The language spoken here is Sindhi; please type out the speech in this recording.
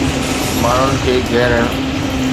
ماڻهن کي گرهڻ